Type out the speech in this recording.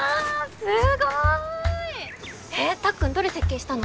すごい。えったっくんどれ設計したの？